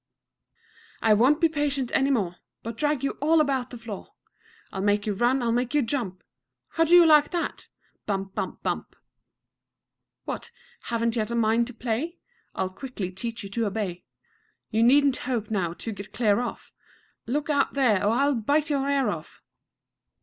3. I won't be patient any more, But drag you all about the floor; I'll make you run, I'll make you jump How do you like that? bump, bump, bump. 4. What, haven't yet a mind to play? I'll quickly teach you to obey. You needn't hope now to get clear off: Look out there, or I'll bite your ear off!